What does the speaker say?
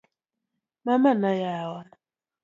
mama na yawa